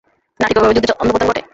নাটকীয়ভাবে যুদ্ধের ছন্দপতন ঘটে।